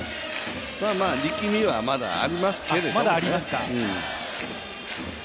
力みは、まだありますけどね